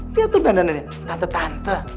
dia tuh dandanannya tante tante